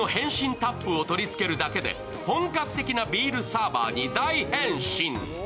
タップを取り付けるだけで本格的なビールサーバーに大変身。